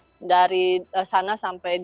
sepertinya kebetulan apply sumari kami alex